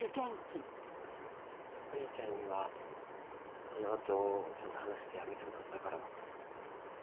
芽衣ちゃんにはあの後ちゃんと話して辞めてもらったから。